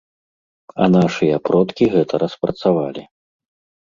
А нашыя продкі гэта распрацавалі.